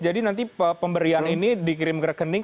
jadi nanti pemberian ini dikirim ke rekening